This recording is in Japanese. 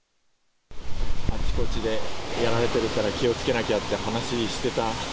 あちこちでやられてるから気をつけなきゃって話をしてた。